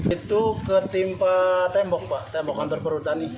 itu ketimpa tembok pak tembok kantor perutani